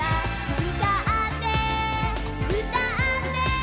「うたってうたって」